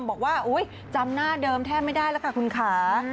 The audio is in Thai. บอกว่าจำหน้าเดิมแทบไม่ได้แล้วค่ะคุณค่ะ